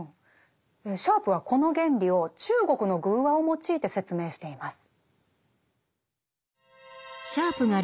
シャープはこの原理を中国の寓話を用いて説明しています。